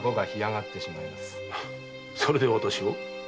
それで私を？